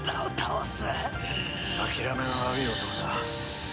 諦めの悪い男だ。